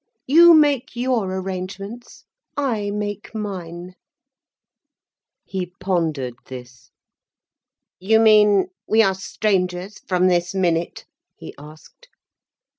You make your arrangements, I make mine." He pondered this. "You mean we are strangers from this minute?" he asked.